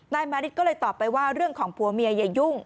มาริสก็เลยตอบไปว่าเรื่องของผัวเมียอย่ายุ่ง